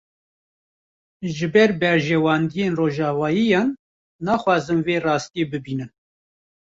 Ji ber berjewendiyên rojavayiyan, naxwazin vê rastiyê bibînin